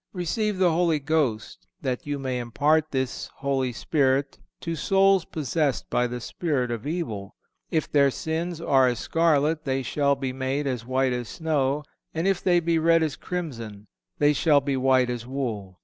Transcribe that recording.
Receive the Holy Ghost, that you may impart this Holy Spirit to souls possessed by the spirit of evil. "If their sins are as scarlet, they shall be made as white as snow; and if they be red as crimson, they shall be white as wool."